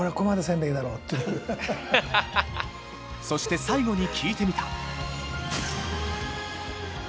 そして最後に聞いてみた。